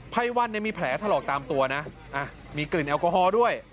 ภัยวันมีแผลถลอกตามตัวนะมีกลิ่นแอลกอฮอล์ด้วย